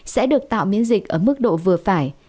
sẽ được tạo miễn dịch ở mức độ vừa phải